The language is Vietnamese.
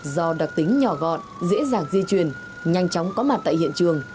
do đặc tính nhỏ gọn dễ dàng di chuyển nhanh chóng có mặt tại hiện trường